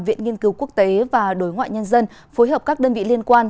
viện nghiên cứu quốc tế và đối ngoại nhân dân phối hợp các đơn vị liên quan